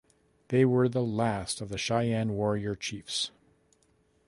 They were the last of the Cheyenne warrior chiefs.